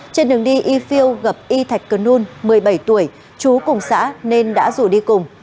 trên đường đi y phil gặp y thạch cân nôn một mươi bảy tuổi trú cùng xã nên đã rủ đi cùng